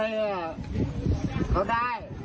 เขาได้